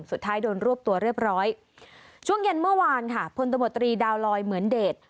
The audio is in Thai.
สุดท้ายโดนรวบตัวเรียบร้อยช่วงเย็นเมื่อวานค่ะพลตมตรีดาวลอยเหมือนเดช